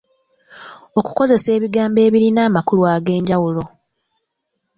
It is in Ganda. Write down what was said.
Okukozesa ebigambo ebirina amakulu ag’enjawulo.